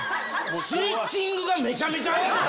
スイッチングがめちゃめちゃ慌てた。